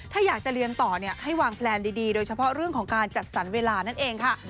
ถ้าอยากจะเรียนต่อให้วางแพลนดีโดยเฉพาะเรื่องของการจัดสรรเวลานั่นเองค่ะ